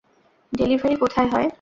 Delivery কোথায় হয়?